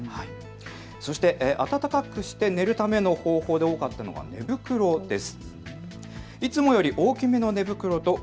そして暖かくして寝る方法で多かったのが寝袋です。